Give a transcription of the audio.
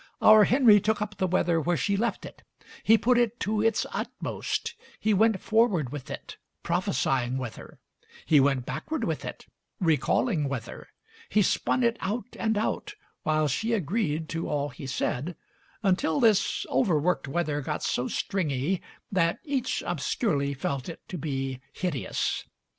Our Henry took up the weather where she Digitized by Google MARY SMITH 135 left it; he put it to its utmost; he went forward with it, prophesying weather; he went backward with it, recalling weather; he spun it out and out, while she agreed to all he said, until this overworked weather got so stringy that each obscurely felt it to be hideous.